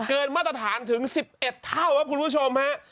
เกินมาตรฐานถึง๑๑เท่าครับคุณผู้ชมฮะ